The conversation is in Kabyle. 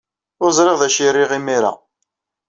Ur ẓriɣ d acu ay riɣ imir-a.